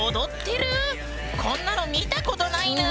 こんなの見たことないぬん。